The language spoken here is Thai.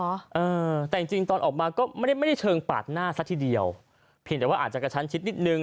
เออแต่จริงจริงตอนออกมาก็ไม่ได้ไม่ได้เชิงปาดหน้าซะทีเดียวเพียงแต่ว่าอาจจะกระชั้นชิดนิดนึง